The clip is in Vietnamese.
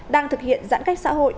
đang thực hiện giãn cách xã hội